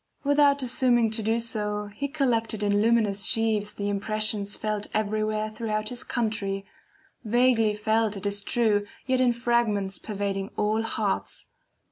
Without assuming to do so, he collected in luminous sheaves the impressions felt everywhere throughout his country vaguely felt it is true, yet in fragments pervading all hearts.